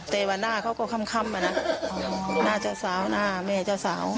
แต่วันหน้าเขาก็ค่ำอะนะหน้าเจ้าสาวหน้าแม่เจ้าสาว